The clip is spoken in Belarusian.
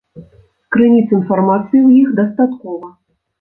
Крыніц інфармацыі ў іх дастаткова.